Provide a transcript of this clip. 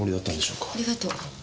ありがとう。